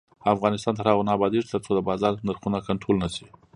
افغانستان تر هغو نه ابادیږي، ترڅو د بازار نرخونه کنټرول نشي.